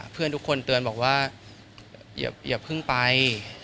เพื่อนทุกคนเตือนบอกว่าอย่าเพิ่งไป